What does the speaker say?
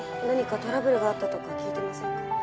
何かトラブルがあったとか聞いてませんか？